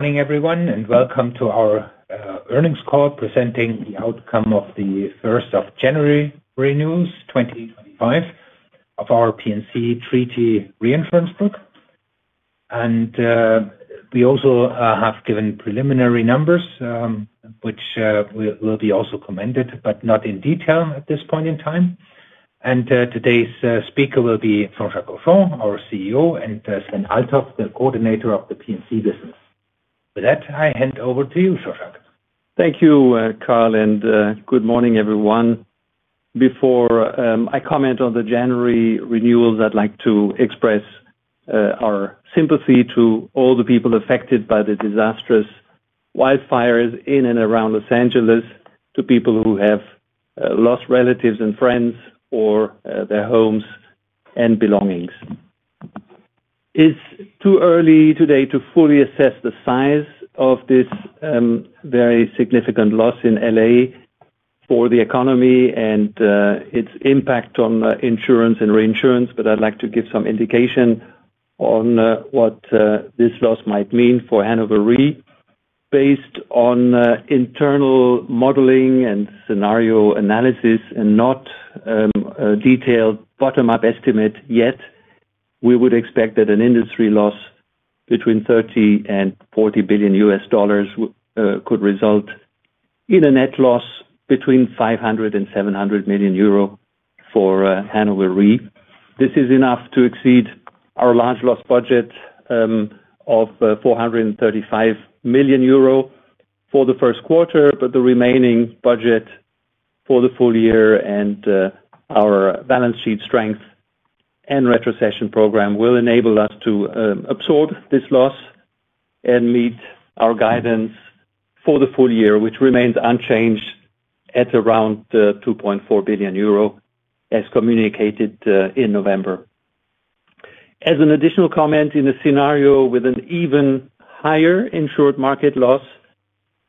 Morning, everyone, and welcome to our earnings call, presenting the outcome of the 1st of January renewals 2025 of our P&C Treaty Reinsurance Group. And we also have given preliminary numbers, which will be also commented, but not in detail at this point in time. And today's speaker will be Jean-Jacques Henchoz, our CEO, and Sven Althoff, the Coordinator P&C Business. With that, I hand over to you, Jean-Jacques. Thank you, Karl, and good morning, everyone. Before I comment on the January renewals, I'd like to express our sympathy to all the people affected by the disastrous wildfires in and around Los Angeles, to people who have lost relatives and friends or their homes and belongings. It's too early today to fully assess the size of this very significant loss in LA for the economy and its impact on insurance and reinsurance, but I'd like to give some indication on what this loss might mean for Hannover Re. Based on internal modeling and scenario analysis, and not a detailed bottom-up estimate yet, we would expect that an industry loss between $30 billion-$40 billion could result in a net loss between 500 million euro and 700 million for Hannover Re. This is enough to exceed our large loss budget of 435 million euro for the first quarter, but the remaining budget for the full year and our balance sheet strength and retrocession program will enable us to absorb this loss and meet our guidance for the full year, which remains unchanged at around 2.4 billion euro, as communicated in November. As an additional comment, in a scenario with an even higher insured market loss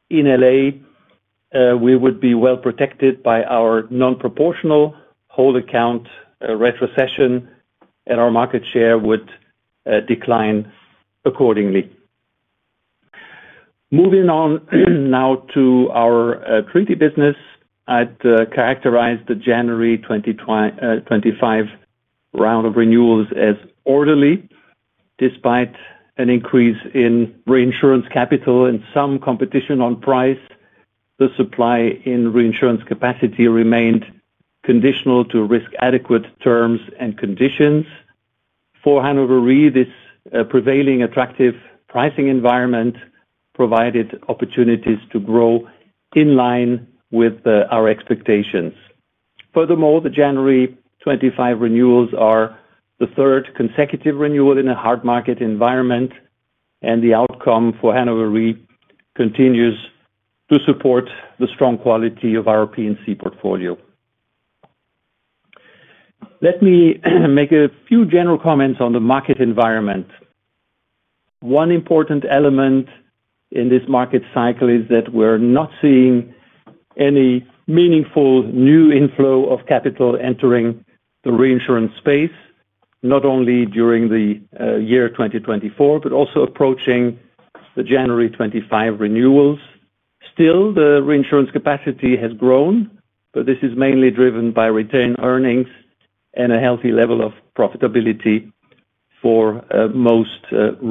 in LA, we would be well protected by our non-proportional whole account retrocession, and our market share would decline accordingly. Moving on now to our treaty business, I'd characterize the January 2025 round of renewals as orderly. Despite an increase in reinsurance capital and some competition on price, the supply in reinsurance capacity remained conditional to risk-adequate terms and conditions. For Hannover Re, this prevailing attractive pricing environment provided opportunities to grow in line with our expectations. Furthermore, the January 25 renewals are the third consecutive renewal in a hard market environment, and the outcome for Hannover Re continues to support the strong quality of our P&C portfolio. Let me make a few general comments on the market environment. One important element in this market cycle is that we're not seeing any meaningful new inflow of capital entering the reinsurance space, not only during the year 2024, but also approaching the January 25 renewals. Still, the reinsurance capacity has grown, but this is mainly driven by retained earnings and a healthy level of profitability for most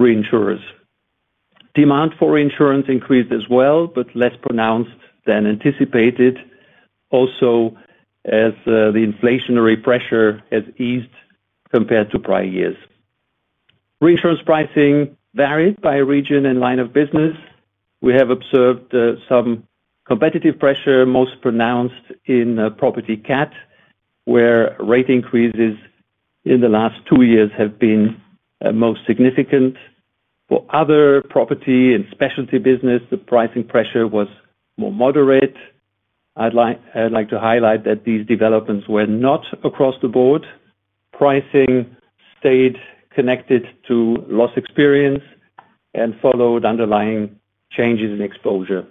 reinsurers. Demand for reinsurance increased as well, but less pronounced than anticipated, also as the inflationary pressure has eased compared to prior years. Reinsurance pricing varied by region and line of business. We have observed some competitive pressure, most pronounced in property cat, where rate increases in the last two years have been most significant. For other property and specialty business, the pricing pressure was more moderate. I'd like to highlight that these developments were not across the board. Pricing stayed connected to loss experience and followed underlying changes in exposure.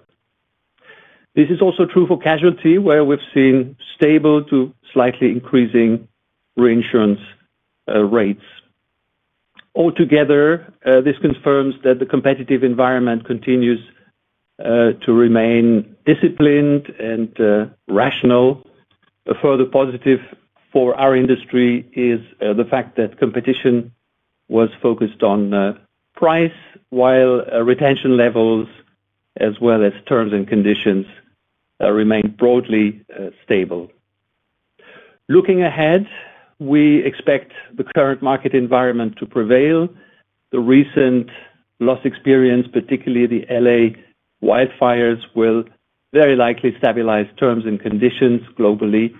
This is also true for casualty, where we've seen stable to slightly increasing reinsurance rates. Altogether, this confirms that the competitive environment continues to remain disciplined and rational. A further positive for our industry is the fact that competition was focused on price, while retention levels, as well as terms and conditions, remained broadly stable. Looking ahead, we expect the current market environment to prevail. The recent loss experience, particularly the LA wildfires, will very likely stabilize terms and conditions globally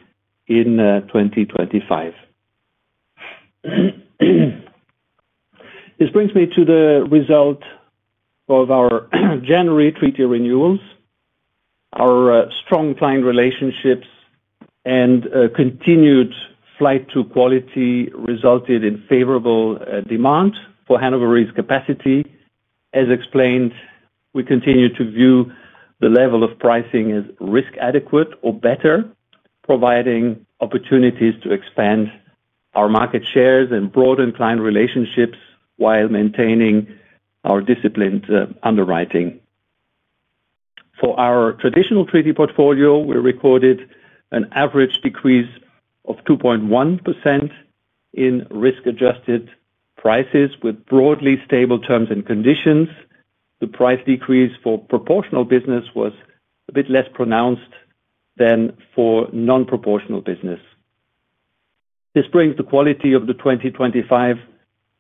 in 2025. This brings me to the result of our January treaty renewals. Our strong client relationships and continued flight to quality resulted in favorable demand for Hannover Re's capacity. As explained, we continue to view the level of pricing as risk-adequate or better, providing opportunities to expand our market shares and broaden client relationships while maintaining our disciplined underwriting. For our traditional treaty portfolio, we recorded an average decrease of 2.1% in risk-adjusted prices with broadly stable terms and conditions. The price decrease for proportional business was a bit less pronounced than for non-proportional business. This brings the quality of the 2025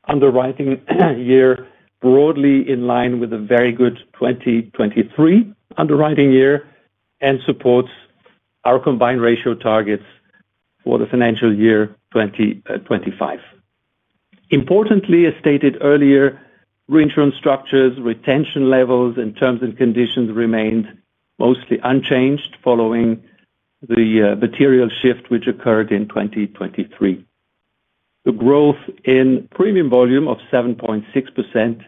underwriting year broadly in line with a very good 2023 underwriting year and supports our combined ratio targets for the financial year 2025. Importantly, as stated earlier, reinsurance structures, retention levels, and terms and conditions remained mostly unchanged following the material shift which occurred in 2023. The growth in premium volume of 7.6%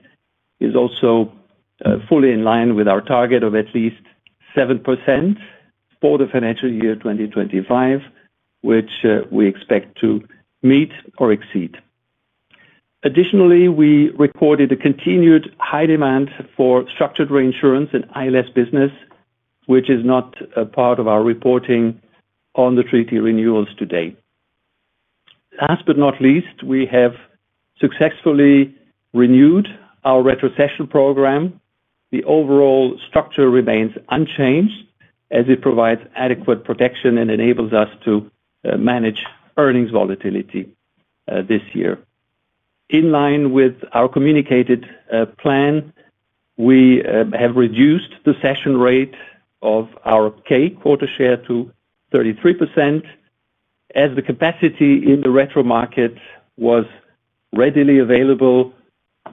is also fully in line with our target of at least 7% for the financial year 2025, which we expect to meet or exceed. Additionally, we recorded a continued high demand for structured reinsurance and ILS business, which is not a part of our reporting on the treaty renewals today. Last but not least, we have successfully renewed our retrocession program. The overall structure remains unchanged, as it provides adequate protection and enables us to manage earnings volatility this year. In line with our communicated plan, we have reduced the cession rate of our K quota share to 33%. As the capacity in the retro market was readily available,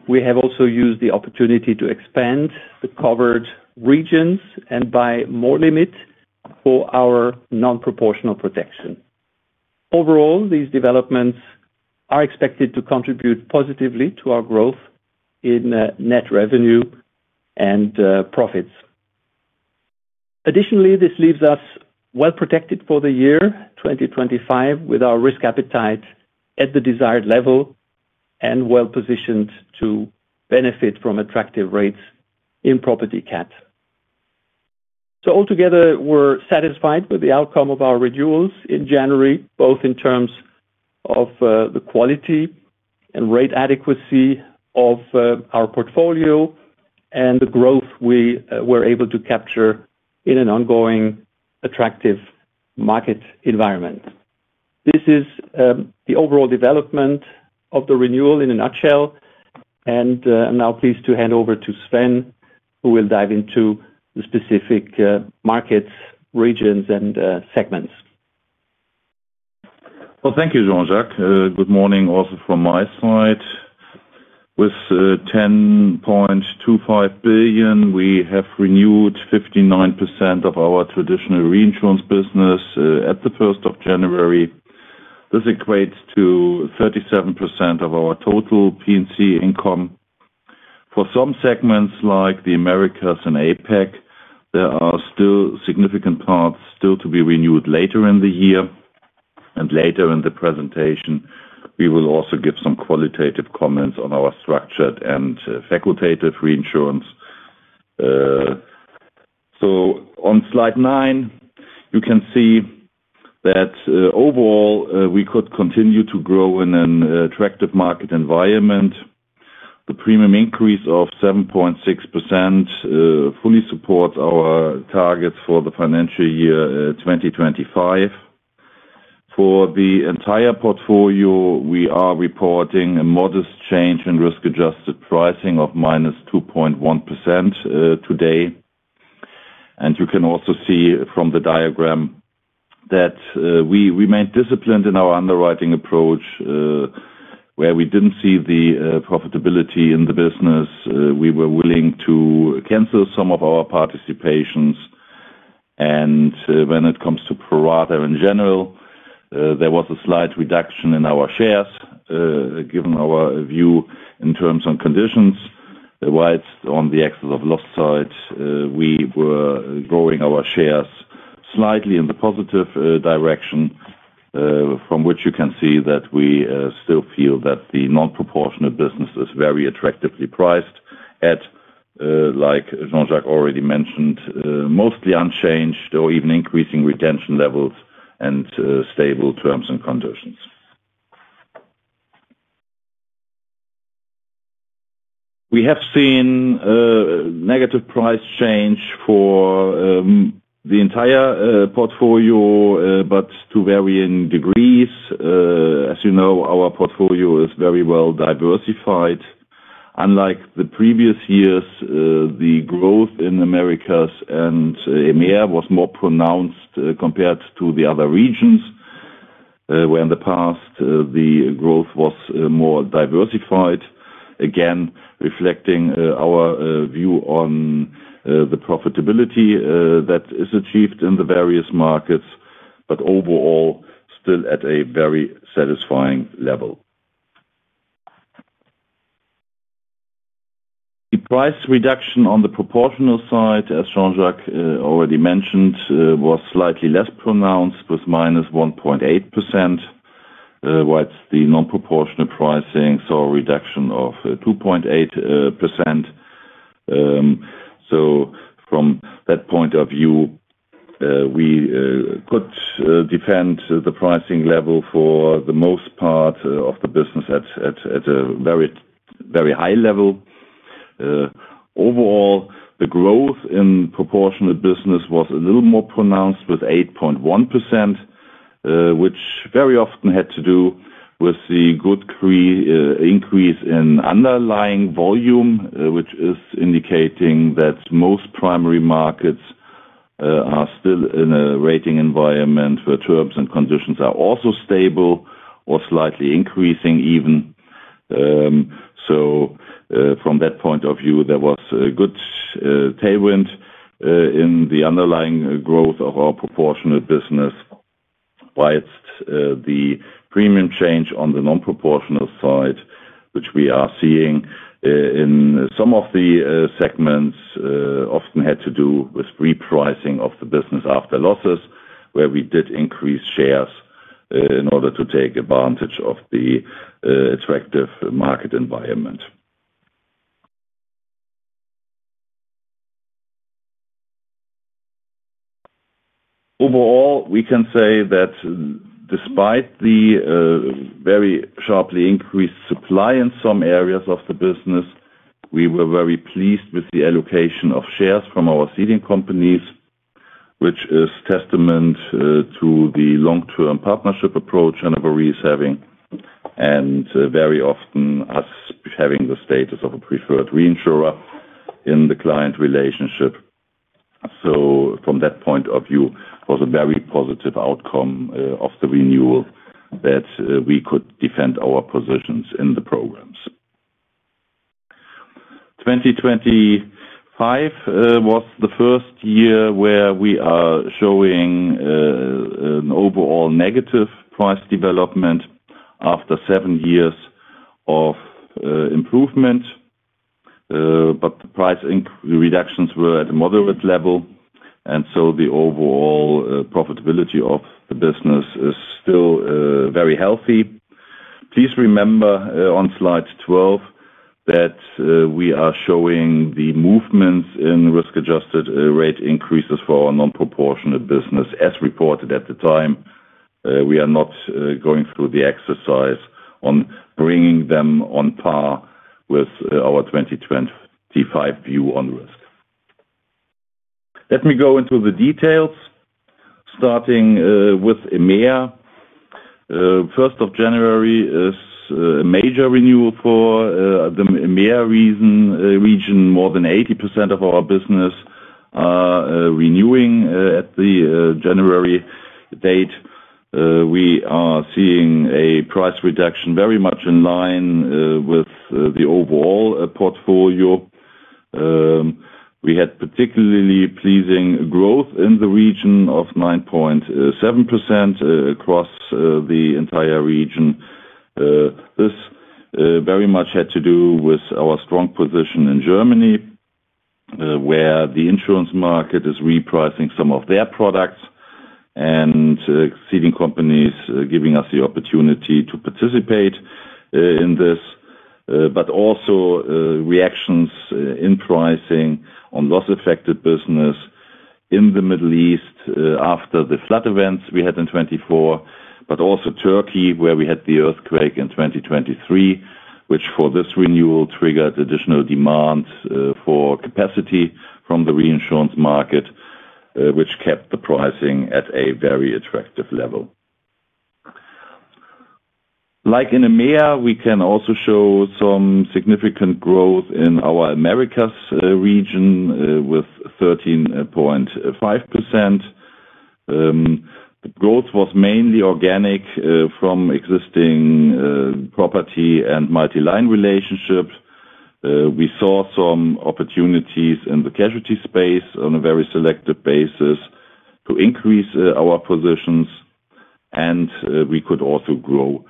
we have also used the opportunity to expand the covered regions and buy more limit for our non-proportional protection. Overall, these developments are expected to contribute positively to our growth in net revenue and profits. Additionally, this leaves us well protected for the year 2025, with our risk appetite at the desired level and well positioned to benefit from attractive rates in property cat. So altogether, we're satisfied with the outcome of our renewals in January, both in terms of the quality and rate adequacy of our portfolio and the growth we were able to capture in an ongoing attractive market environment. This is the overall development of the renewal in a nutshell, and I'm now pleased to hand over to Sven, who will dive into the specific markets, regions, and segments. Thank you, Jean-Jacques. Good morning also from my side. With 10.25 billion, we have renewed 59% of our traditional reinsurance business at the 1st of January. This equates to 37% of our total P&C income. For some segments like the Americas and APEC, there are still significant parts still to be renewed later in the year, and later in the presentation, we will also give some qualitative comments on our structured and facultative reinsurance. On slide nine, you can see that overall, we could continue to grow in an attractive market environment. The premium increase of 7.6% fully supports our targets for the financial year 2025. For the entire portfolio, we are reporting a modest change in risk-adjusted pricing of minus 2.1% today. You can also see from the diagram that we remained disciplined in our underwriting approach, where we didn't see the profitability in the business. We were willing to cancel some of our participations, and when it comes to pro rata in general, there was a slight reduction in our shares, given our view in terms and conditions. While on the excess of loss side, we were growing our shares slightly in the positive direction, from which you can see that we still feel that the non-proportional business is very attractively priced at, like Jean-Jacques already mentioned, mostly unchanged or even increasing retention levels and stable terms and conditions. We have seen negative price change for the entire portfolio, but to varying degrees. As you know, our portfolio is very well diversified. Unlike the previous years, the growth in the Americas and EMEA was more pronounced compared to the other regions, where in the past, the growth was more diversified, again reflecting our view on the profitability that is achieved in the various markets, but overall, still at a very satisfying level. The price reduction on the proportional side, as Jean-Jacques already mentioned, was slightly less pronounced with -1.8%, while the non-proportional pricing saw a reduction of 2.8%. So from that point of view, we could defend the pricing level for the most part of the business at a very high level. Overall, the growth in proportional business was a little more pronounced with 8.1%, which very often had to do with the good increase in underlying volume, which is indicating that most primary markets are still in a rating environment where terms and conditions are also stable or slightly increasing even. So from that point of view, there was a good tailwind in the underlying growth of our proportional business, while the premium change on the non-proportional side, which we are seeing in some of the segments, often had to do with repricing of the business after losses, where we did increase shares in order to take advantage of the attractive market environment. Overall, we can say that despite the very sharply increased supply in some areas of the business, we were very pleased with the allocation of shares from our ceding companies, which is testament to the long-term partnership approach Hannover Re is having and very often us having the status of a preferred reinsurer in the client relationship. So from that point of view, it was a very positive outcome of the renewal that we could defend our positions in the programs. 2025 was the first year where we are showing an overall negative price development after seven years of improvement, but the price reductions were at a moderate level, and so the overall profitability of the business is still very healthy. Please remember on slide 12 that we are showing the movements in risk-adjusted rate increases for our non-proportional business, as reported at the time. We are not going through the exercise on bringing them on par with our 2025 view on risk. Let me go into the details, starting with EMEA. 1st of January is a major renewal for the EMEA region. More than 80% of our business are renewing at the January date. We are seeing a price reduction very much in line with the overall portfolio. We had particularly pleasing growth in the region of 9.7% across the entire region. This very much had to do with our strong position in Germany, where the insurance market is repricing some of their products and ceding companies giving us the opportunity to participate in this, but also reactions in pricing on loss-affected business in the Middle East after the flood events we had in 2024, but also Turkey, where we had the earthquake in 2023, which for this renewal triggered additional demand for capacity from the reinsurance market, which kept the pricing at a very attractive level. Like in EMEA, we can also show some significant growth in our Americas region with 13.5%. The growth was mainly organic from existing property and multi-line relationships. We saw some opportunities in the casualty space on a very selective basis to increase our positions, and we could also grow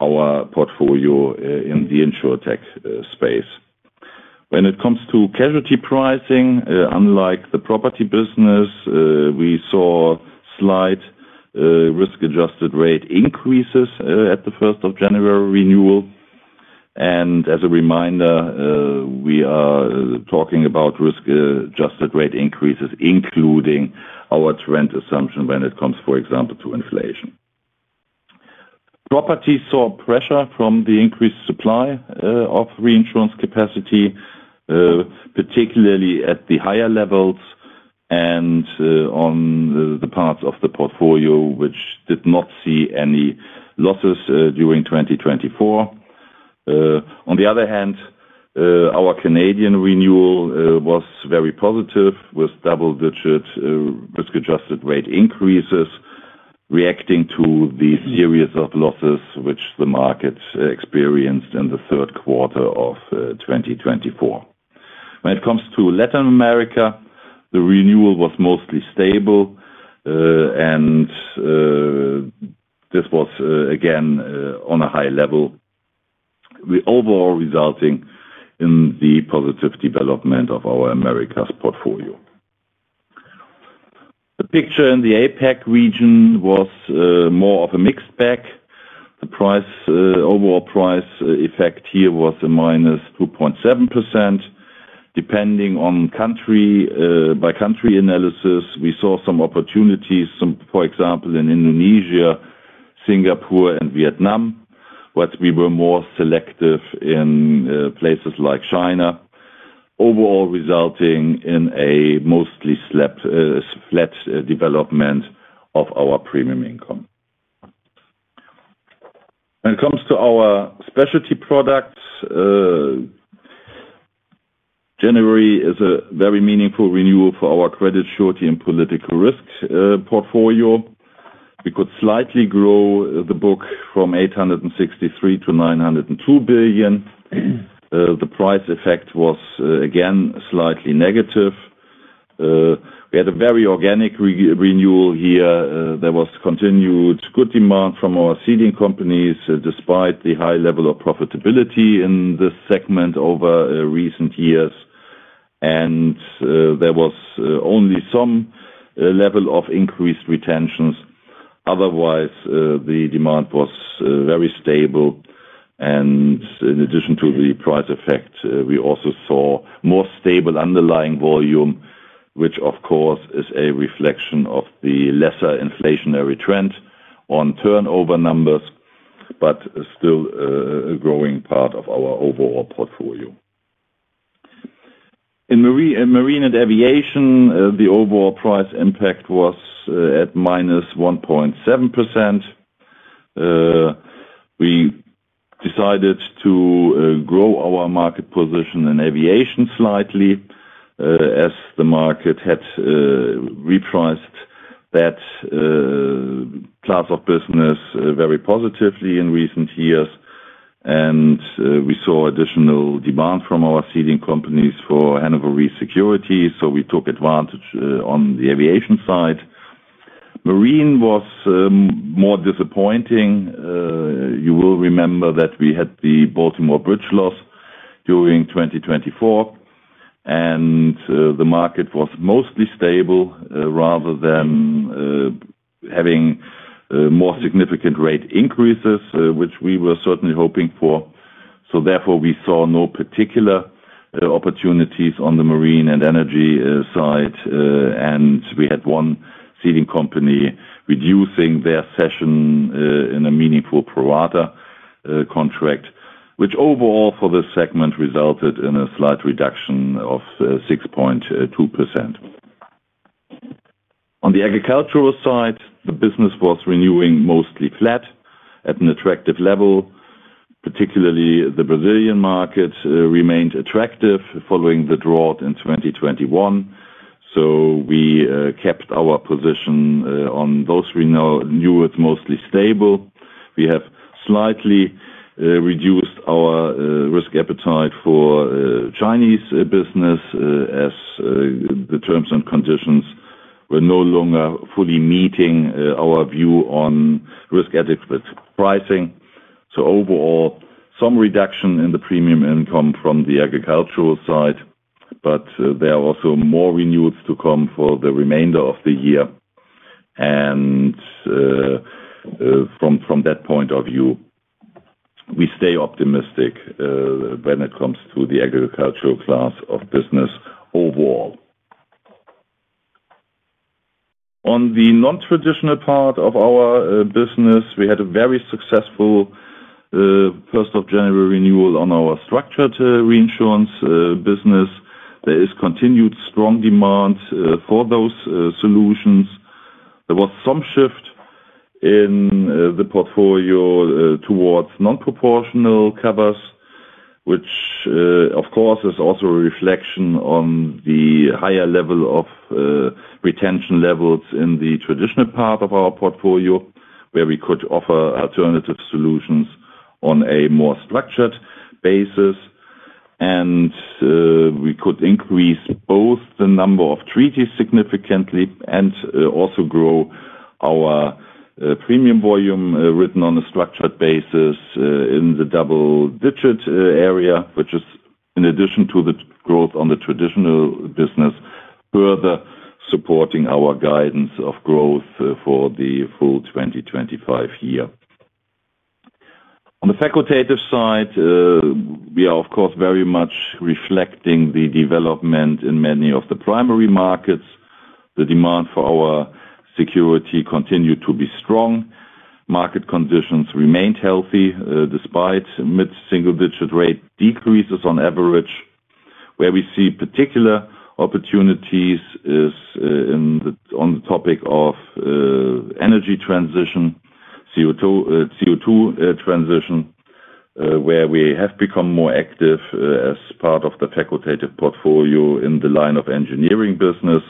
our portfolio in the insurtech space. When it comes to casualty pricing, unlike the property business, we saw slight risk-adjusted rate increases at the first of January renewal, and as a reminder, we are talking about risk-adjusted rate increases, including our trend assumption when it comes, for example, to inflation. Property saw pressure from the increased supply of reinsurance capacity, particularly at the higher levels and on the parts of the portfolio which did not see any losses during 2024. On the other hand, our Canadian renewal was very positive with double-digit risk-adjusted rate increases, reacting to the series of losses which the market experienced in the third quarter of 2024. When it comes to Latin America, the renewal was mostly stable, and this was again on a high level, overall resulting in the positive development of our Americas portfolio. The picture in the APEC region was more of a mixed bag. The overall price effect here was -2.7%. Depending on country-by-country analysis, we saw some opportunities, for example, in Indonesia, Singapore, and Vietnam, but we were more selective in places like China, overall resulting in a mostly flat development of our premium income. When it comes to our specialty products, January is a very meaningful renewal for our credit, surety, and political risk portfolio. We could slightly grow the book from 863-902 billion. The price effect was again slightly negative. We had a very organic renewal here. There was continued good demand from our ceding companies despite the high level of profitability in this segment over recent years, and there was only some level of increased retentions. Otherwise, the demand was very stable. And in addition to the price effect, we also saw more stable underlying volume, which, of course, is a reflection of the lesser inflationary trend on turnover numbers, but still a growing part of our overall portfolio. In marine and aviation, the overall price impact was at -1.7%. We decided to grow our market position in aviation slightly as the market had repriced that class of business very positively in recent years, and we saw additional demand from our ceding companies for Hannover Re Securities, so we took advantage on the aviation side. Marine was more disappointing. You will remember that we had the Baltimore Bridge loss during 2024, and the market was mostly stable rather than having more significant rate increases, which we were certainly hoping for. So therefore, we saw no particular opportunities on the marine and energy side, and we had one ceding company reducing their cession in a meaningful pro rata contract, which overall for this segment resulted in a slight reduction of 6.2%. On the agricultural side, the business was renewing mostly flat at an attractive level. Particularly, the Brazilian market remained attractive following the drought in 2021, so we kept our position on those renewals mostly stable. We have slightly reduced our risk appetite for Chinese business as the terms and conditions were no longer fully meeting our view on risk-adequate pricing. So overall, some reduction in the premium income from the agricultural side, but there are also more renewals to come for the remainder of the year. And from that point of view, we stay optimistic when it comes to the agricultural class of business overall. On the non-traditional part of our business, we had a very successful 1st of January renewal on our structured reinsurance business. There is continued strong demand for those solutions. There was some shift in the portfolio towards non-proportional covers, which, of course, is also a reflection on the higher level of retention levels in the traditional part of our portfolio, where we could offer alternative solutions on a more structured basis, and we could increase both the number of treaties significantly and also grow our premium volume written on a structured basis in the double-digit area, which is, in addition to the growth on the traditional business, further supporting our guidance of growth for the full 2025 year. On the facultative side, we are, of course, very much reflecting the development in many of the primary markets. The demand for our security continued to be strong. Market conditions remained healthy despite mid-single-digit rate decreases on average. Where we see particular opportunities is on the topic of energy transition, CO2 transition, where we have become more active as part of the facultative portfolio in the line of engineering business.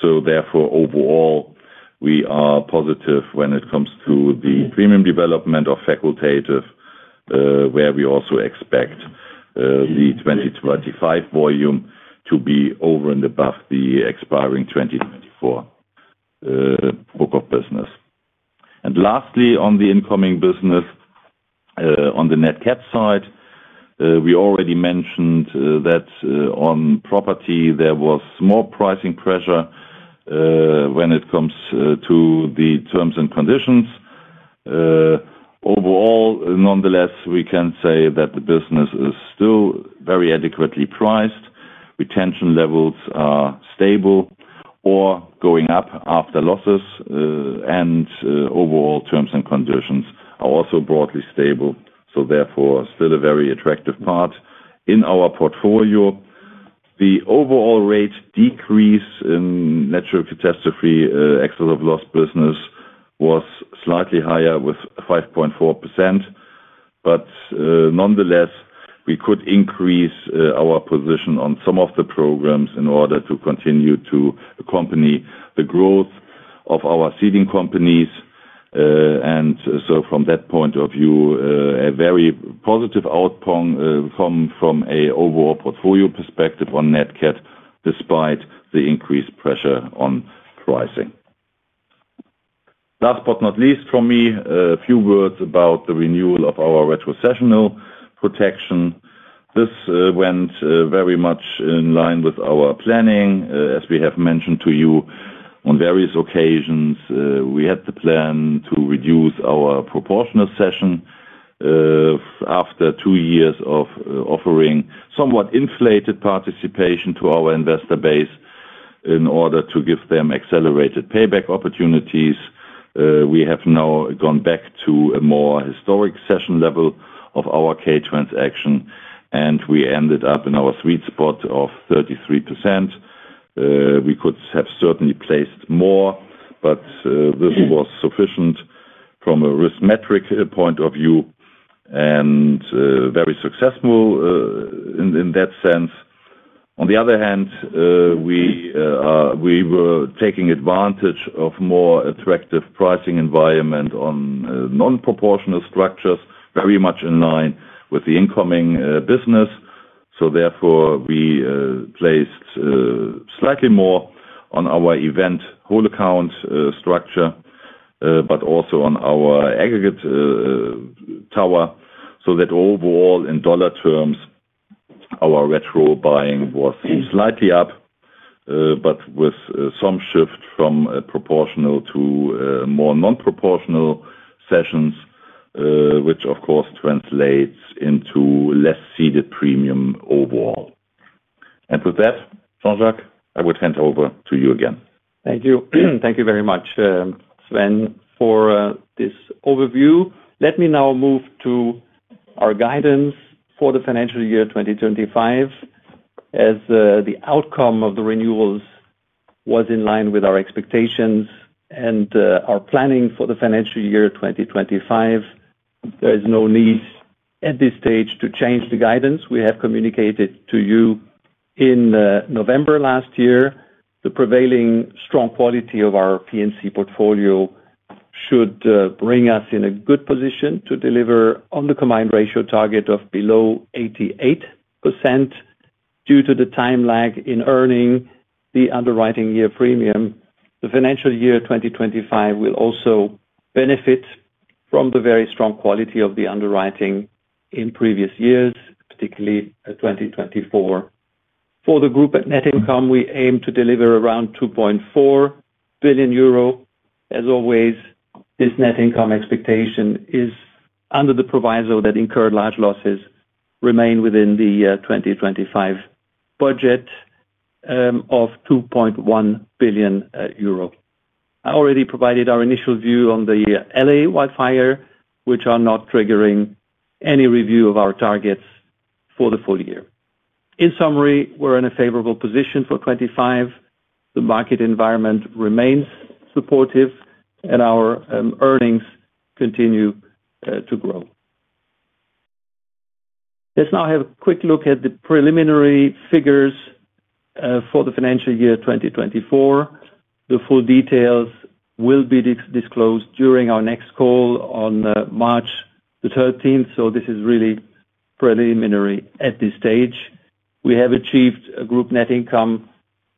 So therefore, overall, we are positive when it comes to the premium development of facultative, where we also expect the 2025 volume to be over and above the expiring 2024 book of business. And lastly, on the incoming business, on the net cat side, we already mentioned that on property, there was more pricing pressure when it comes to the terms and conditions. Overall, nonetheless, we can say that the business is still very adequately priced. Retention levels are stable or going up after losses, and overall terms and conditions are also broadly stable. So therefore, still a very attractive part in our portfolio. The overall rate decrease in natural catastrophe excess of loss business was slightly higher with 5.4%, but nonetheless, we could increase our position on some of the programs in order to continue to accompany the growth of our ceding companies, and so from that point of view, a very positive outcome from an overall portfolio perspective on net cat despite the increased pressure on pricing. Last but not least for me, a few words about the renewal of our retrocessional protection. This went very much in line with our planning. As we have mentioned to you, on various occasions, we had the plan to reduce our proportional cession after two years of offering somewhat inflated participation to our investor base in order to give them accelerated payback opportunities. We have now gone back to a more historic cession level of our K transaction, and we ended up in our sweet spot of 33%. We could have certainly placed more, but this was sufficient from a risk metric point of view and very successful in that sense. On the other hand, we were taking advantage of a more attractive pricing environment on non-proportional structures, very much in line with the incoming business. So therefore, we placed slightly more on our event whole account structure, but also on our aggregate tower, so that overall, in dollar terms, our retro buying was slightly up, but with some shift from proportional to more non-proportional cessions, which, of course, translates into less ceded premium overall, and with that, Jean-Jacques, I would hand over to you again. Thank you. Thank you very much, Sven, for this overview. Let me now move to our guidance for the financial year 2025. As the outcome of the renewals was in line with our expectations and our planning for the financial year 2025, there is no need at this stage to change the guidance. We have communicated to you in November last year. The prevailing strong quality of our P&C portfolio should bring us in a good position to deliver on the combined ratio target of below 88%. Due to the time lag in earning the underwriting year premium, the financial year 2025 will also benefit from the very strong quality of the underwriting in previous years, particularly 2024. For the group at net income, we aim to deliver around 2.4 billion euro. As always, this net income expectation is under the proviso that incurred large losses remain within the 2025 budget of 2.1 billion euro. I already provided our initial view on the LA wildfire, which is not triggering any review of our targets for the full year. In summary, we're in a favorable position for 2025. The market environment remains supportive, and our earnings continue to grow. Let's now have a quick look at the preliminary figures for the financial year 2024. The full details will be disclosed during our next call on March the 13th, so this is really preliminary at this stage. We have achieved a group net income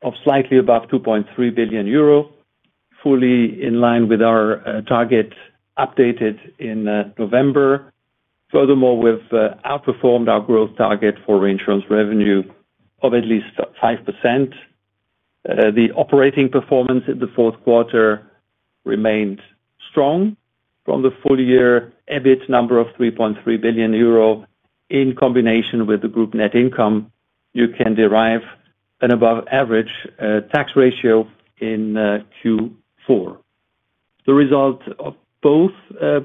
of slightly above 2.3 billion euro, fully in line with our target updated in November. Furthermore, we've outperformed our growth target for reinsurance revenue of at least 5%. The operating performance in the fourth quarter remained strong. From the full year EBIT number of 3.3 billion euro, in combination with the group net income, you can derive an above-average tax ratio in Q4. The result of both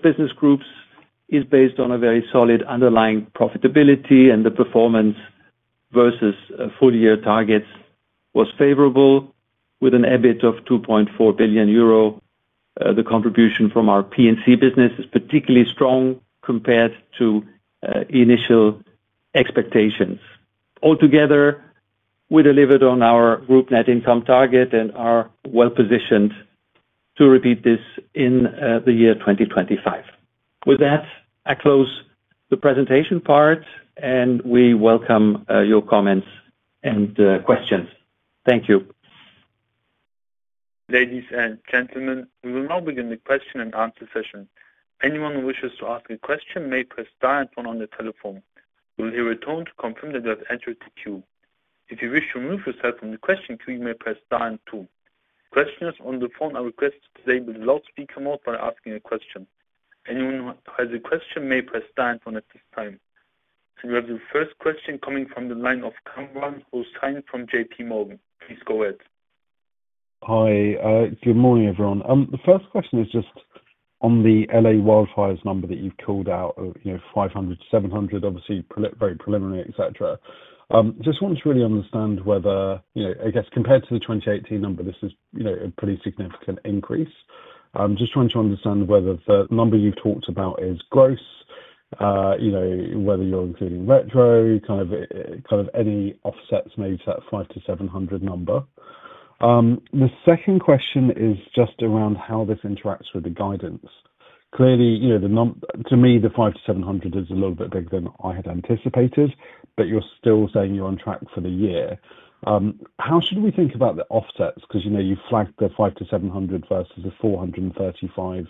business groups is based on a very solid underlying profitability, and the performance versus full year targets was favorable. With an EBIT of 2.4 billion euro, the contribution from our P&C business is particularly strong compared to initial expectations. Altogether, we delivered on our group net income target and are well positioned to repeat this in the year 2025. With that, I close the presentation part, and we welcome your comments and questions. Thank you. Ladies and gentlemen, we will now begin the question and answer session. Anyone who wishes to ask a question may press star one on the telephone. We will hear a tone to confirm that you have entered the queue. If you wish to move yourself from the question queue, you may press star and two. Questioners on the phone are requested to enable loudspeaker mode while asking a question. Anyone who has a question may press star one at this time. And we have the first question coming from the line of Kamran, who's calling from JP Morgan. Please go ahead. Hi. Good morning, everyone. The first question is just on the LA wildfires number that you've called out of 500-700, obviously very preliminary, etc. Just want to really understand whether, I guess, compared to the 2018 number, this is a pretty significant increase. Just trying to understand whether the number you've talked about is gross, whether you're including retro, kind of any offsets maybe to that 500-700 number. The second question is just around how this interacts with the guidance. Clearly, to me, the 500-700 is a little bit bigger than I had anticipated, but you're still saying you're on track for the year. How should we think about the offsets? Because you flagged the 500 million-700 million versus the 435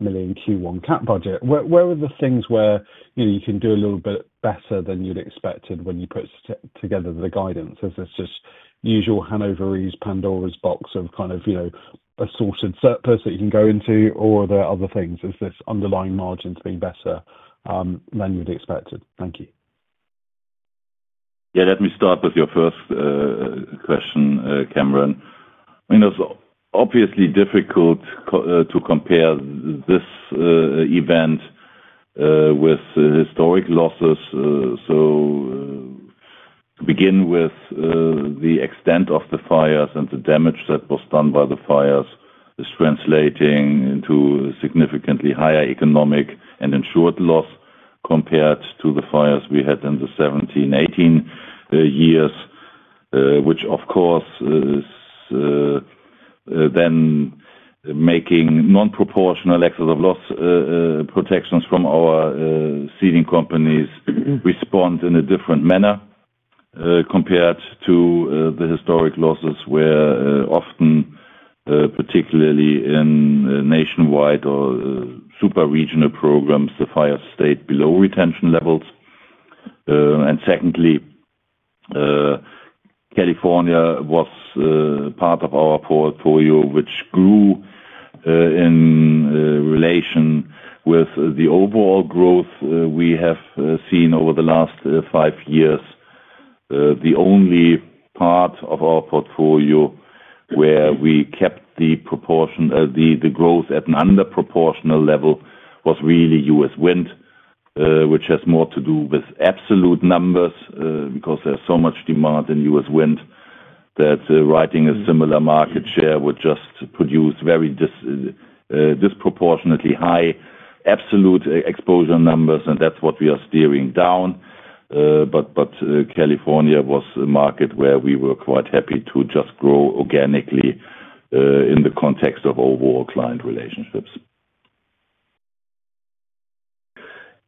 million Q1 large loss budget. Where are the things where you can do a little bit better than you'd expected when you put together the guidance? Is this just usual Hannover Re, Pandora's box of kind of a hoarded surplus that you can go into, or are there other things? Is this underlying margin being better than you'd expected? Thank you. Yeah, let me start with your first question, Kamran. I mean, it's obviously difficult to compare this event with historic losses. To begin with, the extent of the fires and the damage that was done by the fires is translating into significantly higher economic and insured loss compared to the fires we had in the 17/18 years, which, of course, then making non-proportional excess of loss protections from our ceding companies respond in a different manner compared to the historic losses where often, particularly in nationwide or super regional programs, the fires stayed below retention levels. And secondly, California was part of our portfolio, which grew in relation with the overall growth we have seen over the last five years. The only part of our portfolio where we kept the growth at an underproportional level was really U.S. wind, which has more to do with absolute numbers because there's so much demand in U.S. wind that writing a similar market share would just produce very disproportionately high absolute exposure numbers, and that's what we are steering down. But California was a market where we were quite happy to just grow organically in the context of overall client relationships.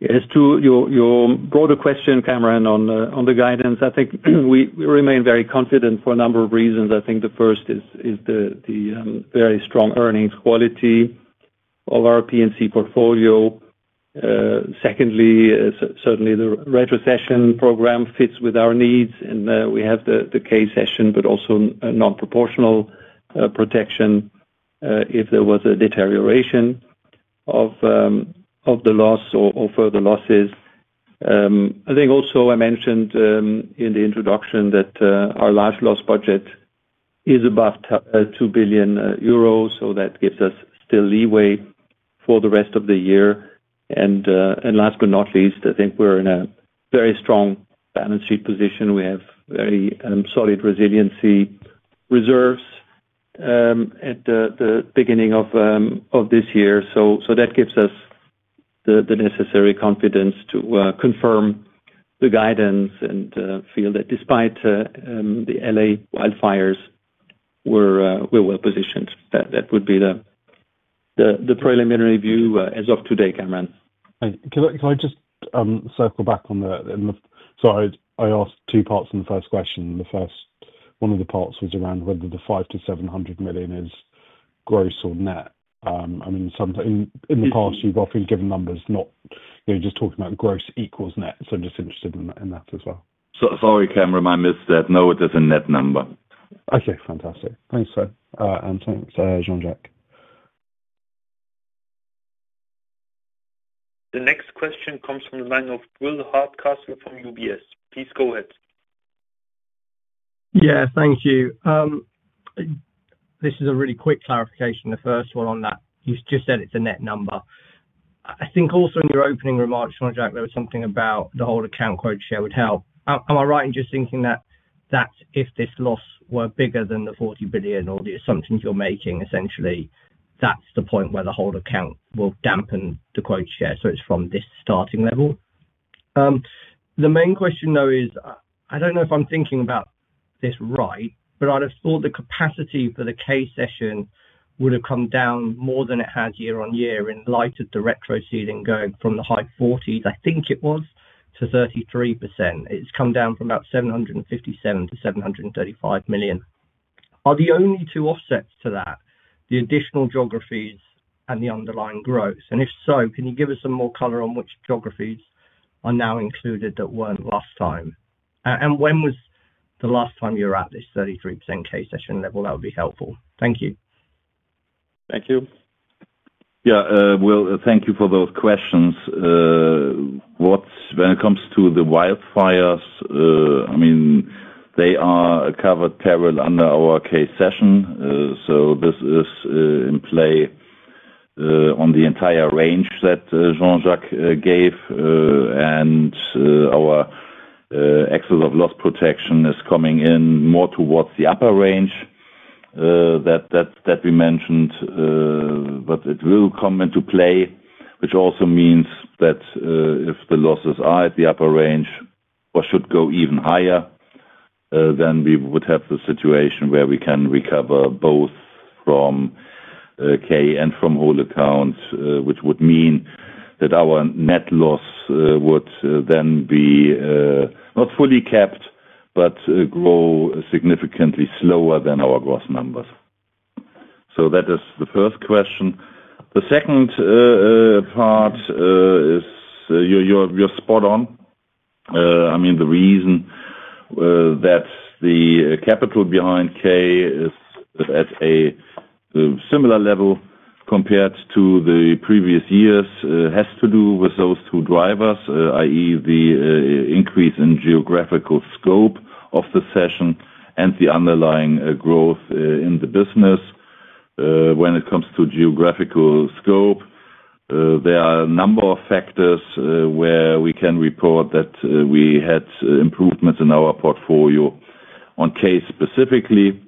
As to your broader question, Kamran, on the guidance, I think we remain very confident for a number of reasons. I think the first is the very strong earnings quality of our P&C portfolio. Secondly, certainly the retrocession program fits with our needs, and we have the K-Cession, but also non-proportional protection if there was a deterioration of the loss or further losses. I think also I mentioned in the introduction that our large loss budget is above 2 billion euros, so that gives us still leeway for the rest of the year. And last but not least, I think we're in a very strong balance sheet position. We have very solid resiliency reserves at the beginning of this year. So that gives us the necessary confidence to confirm the guidance and feel that despite the LA wildfires, we're well positioned. That would be the preliminary view as of today, Kamran. Can I just circle back on, so I asked two parts in the first question. The first one of the parts was around whether the $500 million-$700 million is gross or net. I mean, in the past, you've often given numbers, not just talking about gross equals net. So I'm just interested in that as well. Sorry, Kamran, I missed that. No, it is a net number. Okay. Fantastic. Thanks, sir. And thanks, Jean-Jacques. The next question comes from the line of Will Hardcastle from UBS. Please go ahead. Yeah. Thank you. This is a really quick clarification, the first one on that. You just said it's a net number. I think also in your opening remarks, Jean-Jacques, there was something about the whole account quota share would help. Am I right in just thinking that if this loss were bigger than the 40 billion or the assumptions you're making, essentially, that's the point where the whole account will dampen the quota share? So it's from this starting level. The main question, though, is I don't know if I'm thinking about this right, but I'd have thought the capacity for the K-cession would have come down more than it has year on year in light of the retroceding going from the high 40s%, I think it was, to 33%. It's come down from about 757 million-735 million. Are the only two offsets to that the additional geographies and the underlying growth? And if so, can you give us some more color on which geographies are now included that weren't last time? And when was the last time you were at this 33% K-Cession level? That would be helpful. Thank you. Thank you. Yeah. Well, thank you for those questions. When it comes to the wildfires, I mean, they are a covered peril under our K-Cession. This is in play on the entire range that Jean-Jacques gave, and our excess of loss protection is coming in more towards the upper range that we mentioned. But it will come into play, which also means that if the losses are at the upper range or should go even higher, then we would have the situation where we can recover both from K and from whole accounts, which would mean that our net loss would then be not fully kept, but grow significantly slower than our gross numbers. That is the first question. The second part is you're spot on. I mean, the reason that the capital behind K is at a similar level compared to the previous years has to do with those two drivers, i.e., the increase in geographical scope of the cession and the underlying growth in the business. When it comes to geographical scope, there are a number of factors where we can report that we had improvements in our portfolio. On K specifically,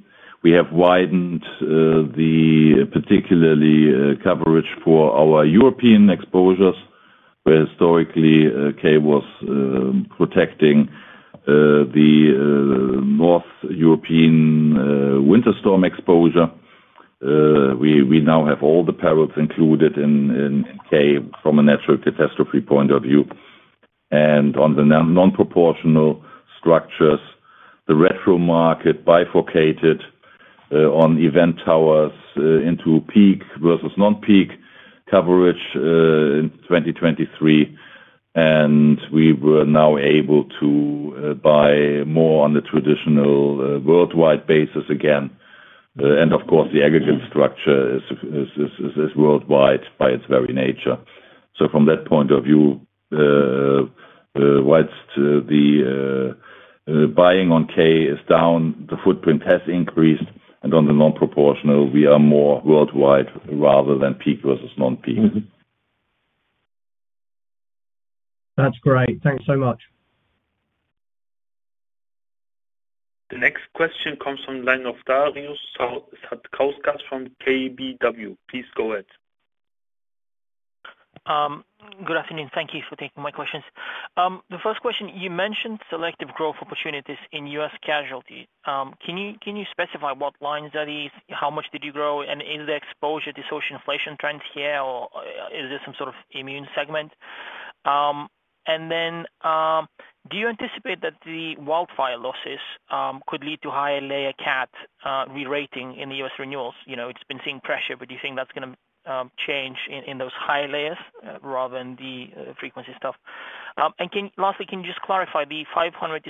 we have widened the particular coverage for our European exposures, where historically K was protecting the North European winter storm exposure. We now have all the perils included in K from a natural catastrophe point of view. On the non-proportional structures, the retro market bifurcated on event towers into peak versus non-peak coverage in 2023. We were now able to buy more on the traditional worldwide basis again. Of course, the aggregate structure is worldwide by its very nature. From that point of view, while the buying on K is down, the footprint has increased. On the non-proportional, we are more worldwide rather than peak versus non-peak. That's great. Thanks so much. The next question comes from the line of Darius Satkauskas from KBW. Please go ahead. Good afternoon. Thank you for taking my questions. The first question, you mentioned selective growth opportunities in U.S. casualty. Can you specify what lines are these, how much did you grow, and is the exposure disposition inflation trends here, or is there some sort of immune segment? And then do you anticipate that the wildfire losses could lead to higher layer CAT re-rating in the U.S. renewals? It's been seeing pressure, but do you think that's going to change in those higher layers rather than the frequency stuff? And lastly, can you just clarify the 500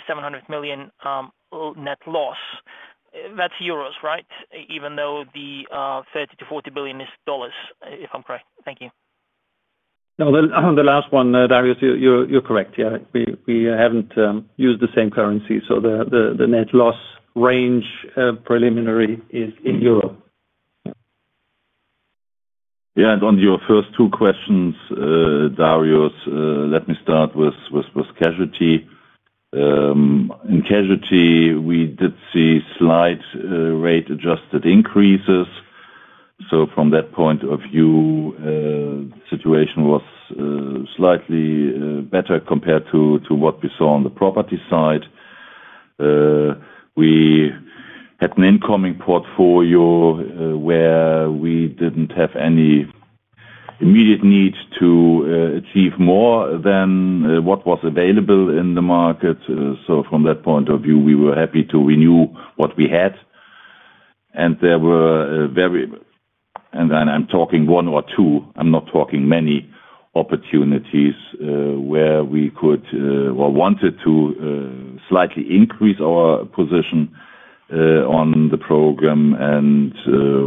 million-700 million net loss? That's euros, right, even though the $30 billion-40 billion is dollars, if I'm correct? Thank you. No, the last one, Darius, you're correct. Yeah, we haven't used the same currency. So the net loss range preliminary is in Europe. Yeah. On your first two questions, Darius, let me start with casualty. In casualty, we did see slight rate adjusted increases. So from that point of view, the situation was slightly better compared to what we saw on the property side. We had an incoming portfolio where we didn't have any immediate need to achieve more than what was available in the market. So from that point of view, we were happy to renew what we had. And there were very, and I'm talking one or two, I'm not talking many, opportunities where we could or wanted to slightly increase our position on the program. And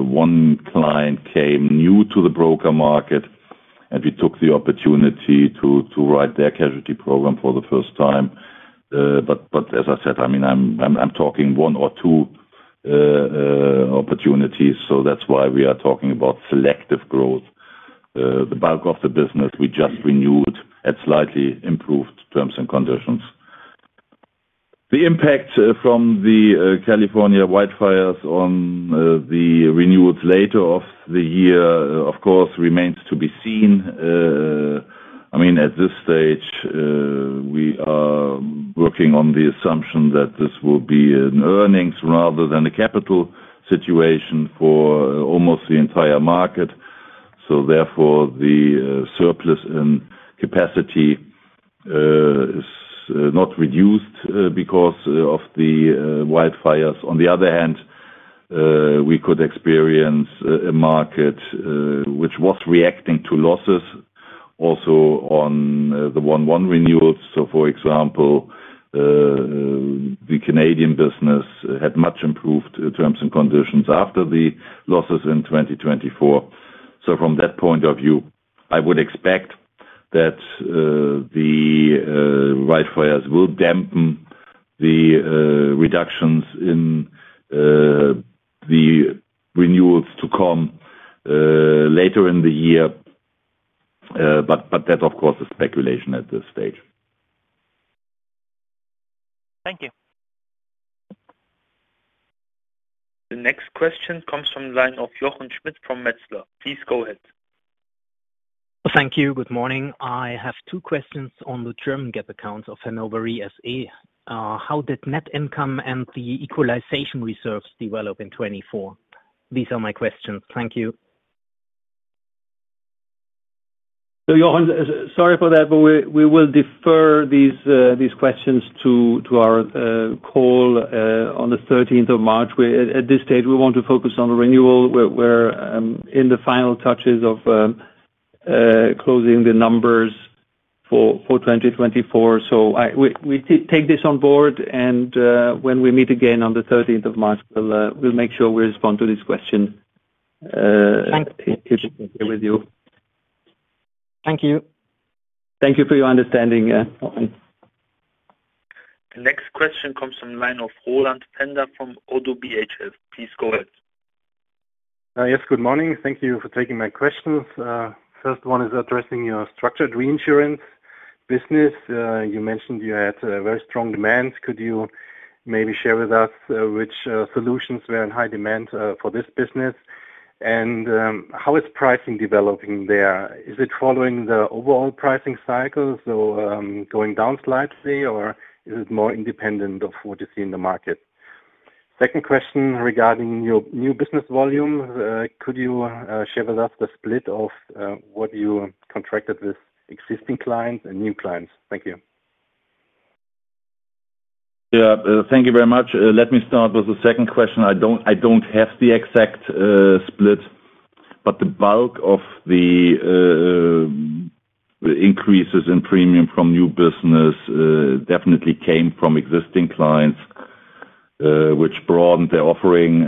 one client came new to the broker market, and we took the opportunity to write their casualty program for the first time. But as I said, I mean, I'm talking one or two opportunities. So that's why we are talking about selective growth. The bulk of the business we just renewed at slightly improved terms and conditions. The impact from the California wildfires on the renewals later in the year, of course, remains to be seen. I mean, at this stage, we are working on the assumption that this will be an earnings rather than a capital situation for almost the entire market. So therefore, the surplus in capacity is not reduced because of the wildfires. On the other hand, we could experience a market which was reacting to losses also on the 1/1 renewals. So for example, the Canadian business had much improved terms and conditions after the losses in 2024. So from that point of view, I would expect that the wildfires will dampen the reductions in the renewals to come later in the year. But that, of course, is speculation at this stage. Thank you. The next question comes from the line of Jochen Schmitt from Metzler. Please go ahead. Thank you. Good morning. I have two questions on the German GAAP account of Hannover Rück SE. How did net income and the equalization reserves develop in 2024? These are my questions. Thank you. Sorry for that, but we will defer these questions to our call on the 13th of March. At this stage, we want to focus on the renewal. We're in the final touches of closing the numbers for 2024. So we take this on board, and when we meet again on the 13th of March, we'll make sure we respond to this question. Thank you. Thank you. Thank you for your understanding. The next question comes from the line of Roland Pfänder from ODDO BHF. Please go ahead. Yes. Good morning. Thank you for taking my questions. First one is addressing your structured reinsurance business. You mentioned you had a very strong demand. Could you maybe share with us which solutions were in high demand for this business? And how is pricing developing there? Is it following the overall pricing cycle, so going down slightly, or is it more independent of what you see in the market? Second question regarding your new business volume. Could you share with us the split of what you contracted with existing clients and new clients? Thank you. Yeah. Thank you very much. Let me start with the second question. I don't have the exact split but the bulk of the increases in premium from new business definitely came from existing clients, which broadened their offering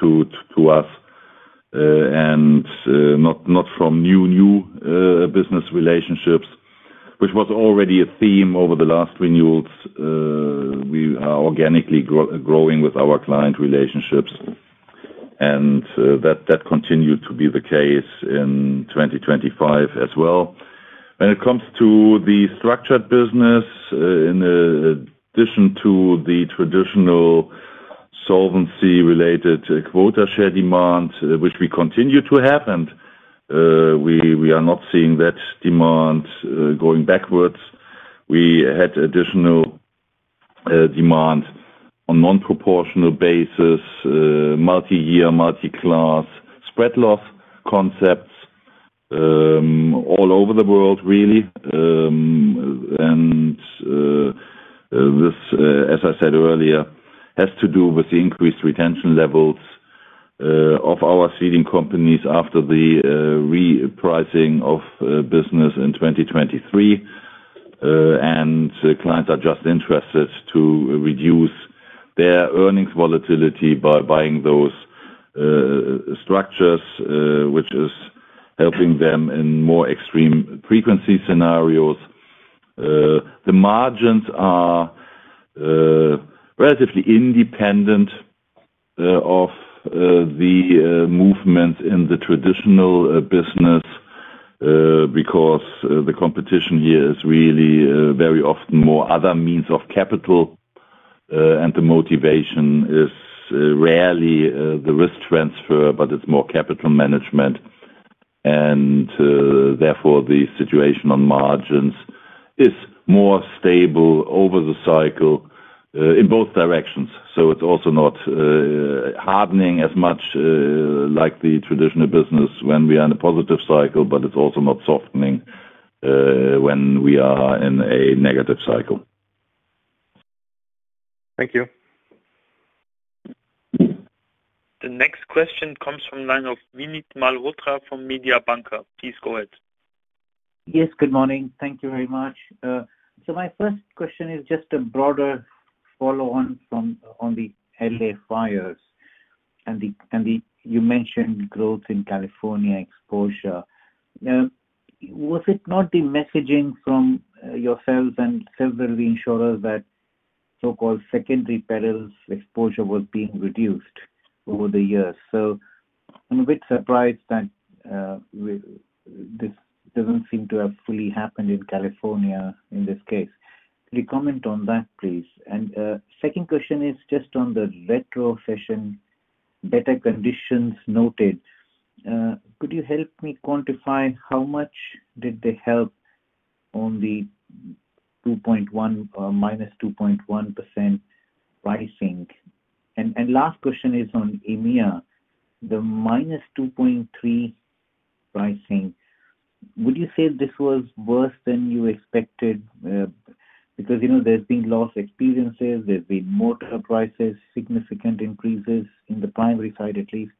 to us, and not from new business relationships, which was already a theme over the last renewals. We are organically growing with our client relationships, and that continued to be the case in 2025 as well. When it comes to the structured business, in addition to the traditional solvency-related quota share demand, which we continue to have, and we are not seeing that demand going backwards, we had additional demand on non-proportional basis, multi-year, multi-class spread loss concepts all over the world, really. And this, as I said earlier, has to do with the increased retention levels of our ceding companies after the repricing of business in 2023. And clients are just interested to reduce their earnings volatility by buying those structures, which is helping them in more extreme frequency scenarios. The margins are relatively independent of the movements in the traditional business because the competition here is really very often more other means of capital, and the motivation is rarely the risk transfer, but it's more capital management. And therefore, the situation on margins is more stable over the cycle in both directions, so it's also not hardening as much like the traditional business when we are in a positive cycle, but it's also not softening when we are in a negative cycle. Thank you. The next question comes from the line of Vinit Malhotra from Mediobanca. Please go ahead. Yes. Good morning. Thank you very much. So my first question is just a broader follow-on on the LA fires, and you mentioned growth in California exposure. Was it not the messaging from yourselves and several insurers that so-called secondary perils exposure was being reduced over the years? So I'm a bit surprised that this doesn't seem to have fully happened in California in this case. Could you comment on that, please? And second question is just on the retrocession better conditions noted. Could you help me quantify how much did they help on the 2.1 or -2.1% pricing? And last question is on EMEA, the -2.3% pricing. Would you say this was worse than you expected? Because there's been loss experiences, there's been motor prices, significant increases in the primary side at least.